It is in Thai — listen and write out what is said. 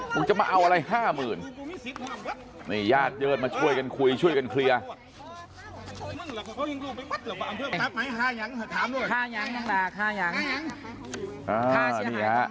คงจะมาเอาอะไร๕๐๐๐นี่ญาติเยิดมาช่วยกันคุยช่วยกันเคลียร์